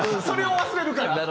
それを忘れるから。